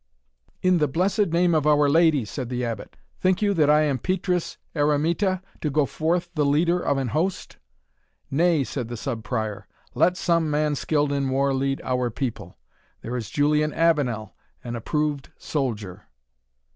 "In the blessed name of Our Lady," said the Abbot, "think you that I am Petrus Eremita, to go forth the leader of an host?" "Nay," said the Sub Prior, "let some man skilled in war lead our people there is Julian Avenel, an approved soldier."